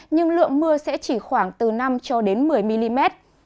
nhưng lượng mưa sẽ chỉ khoảng từ năm một mươi mm